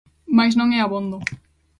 Mais non é abondo.